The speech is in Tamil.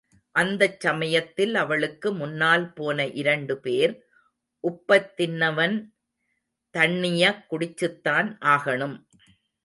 அந்தச் சமயத்தில் அவளுக்கு முன்னால் போன இரண்டுபேர், உப்பத் தின்னவன் தண்ணியக் குடிச்சுத்தான் ஆகணும்.